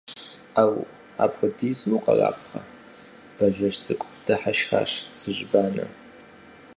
– Ӏэу! Апхуэдизу укъэрабгъэ, Бажэжь цӀыкӀу, – дыхьэшхащ Цыжьбанэр.